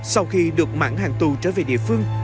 sau khi được mãn hàng tù trở về địa phương